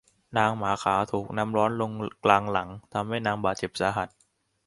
นางหมาขาวถูกน้ำร้อนลงกลางหลังทำให้นางบาดเจ็บสาหัส